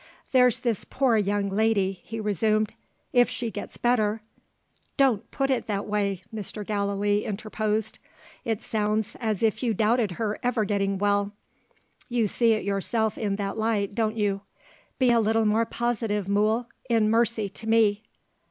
"There's this poor young lady," he resumed. "If she gets better " "Don't put it in that way!" Mr. Gallilee interposed. "It sounds as if you doubted her ever getting well you see it yourself in that light, don't you? Be a little more positive, Mool, in mercy to me."